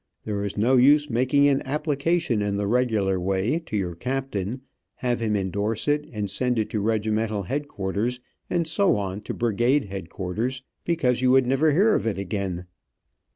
There is no use making an application in the regular way, to your captain, have him endorse it and send it to regimental headquarters, and so on to brigade headquarters, because you would never hear of it again.